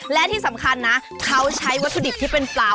และที่สำคัญนะเขาใช้วัตถุดิบที่เป็นปลา